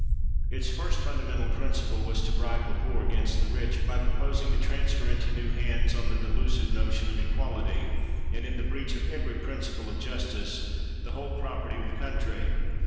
Its first fundamental principle was to bribe the poor against the rich, by proposing to trans fer into new hands, on the delusive notion of equality, and in breach of every principle of justice, the whole property of the country.